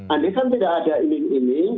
anies kan tidak ada iming iming